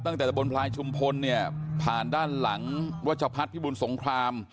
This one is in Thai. ตั้งแต่ตะบนพลายชุมพลเนี่ยผ่านด้านหลังรัชพัฒน์พิบุญสงคราม